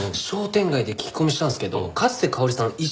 商店街で聞き込みしたんですけどかつてかおりさん